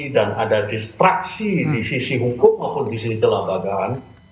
dan ada distraksi di sisi hukum maupun di sisi kelabagaan